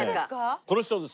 この人です。